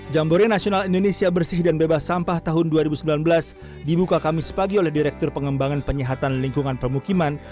jambore nasional indonesia bersih dan bebas sampah tahun dua ribu sembilan belas dibuka kami sepagi oleh direktur pengembangan penyihatan lingkungan permukiman